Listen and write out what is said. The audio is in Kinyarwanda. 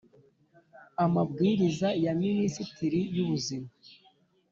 amabwiriza ya minisiteri y’ubuzima.